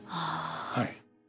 はい。